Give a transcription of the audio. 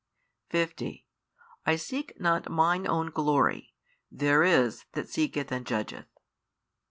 50 I seek not Mine own Glory, there is That seeketh and judgeth.